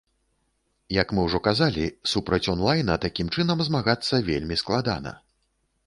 Як мы ужо казалі, супраць онлайна такім чынам змагацца вельмі складана.